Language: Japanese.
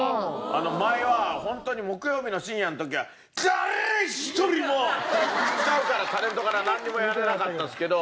前はホントに木曜日の深夜の時は誰一人もうスタッフからタレントからなんにも言われなかったんですけど。